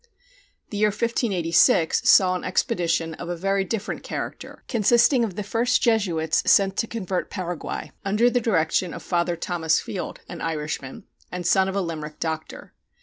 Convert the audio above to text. The year 1586 saw an expedition of a very different character, consisting of the first Jesuits sent to convert Paraguay, under the direction of Father Thomas Field, an Irishman, and son of a Limerick doctor.